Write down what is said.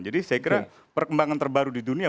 jadi saya kira perkembangan terbaru di dunia